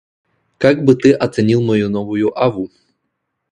Как бы ты оценил мою новую аву?